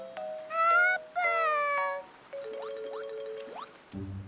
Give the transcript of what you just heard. あーぷん？